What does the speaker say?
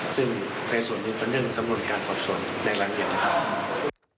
ซึ่งในส่วนนี้เป็นเรื่องสำนวนการสรรพสมในรางเกียรติภาพ